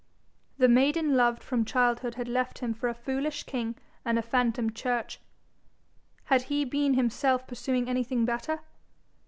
The maiden loved from childhood had left him for a foolish king and a phantom church: had he been himself pursuing anything better?